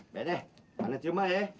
be deh anda ciuma ya